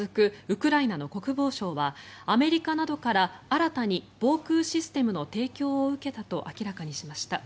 ウクライナの国防相はアメリカなどから新たに防空システムの提供を受けたと明らかにしました。